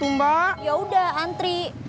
iya mbak saya udah antri